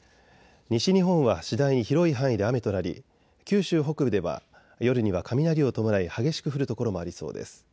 西日本は次第に広い範囲で雨となり九州北部では夜には雷を伴い激しく降る所もありそうです。